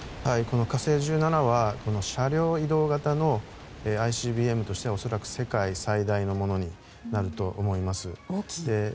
「火星１７」は車両移動型のＩＣＢＭとしては恐らく世界最大のものになると思います。